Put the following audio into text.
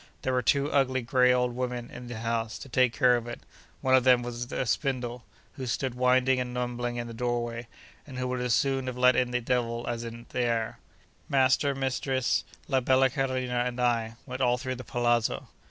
There were two ugly, grey old women in the house, to take care of it; one of them with a spindle, who stood winding and mumbling in the doorway, and who would as soon have let in the devil as the air. Master, mistress, la bella Carolina, and I, went all through the palazzo.